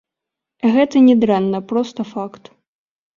Гэта не дрэнна, проста факт.